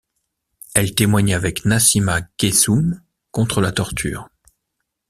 Elle témoigna avec Nassima Guessoum contre la torture.